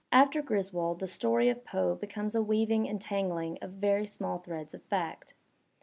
After Griswold the story of Poe becomes a weaving and tangling of very small threads of fact.